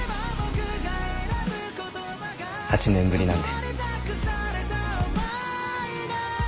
８年ぶりなんで。